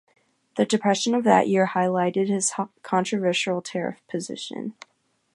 The depression of that year highlighted his controversial tariff position.